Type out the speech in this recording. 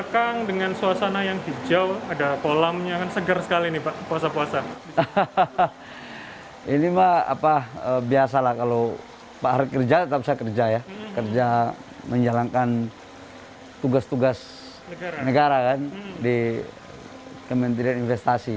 kerja tetap saya kerja ya kerja menjalankan tugas tugas negara kan di kementerian investasi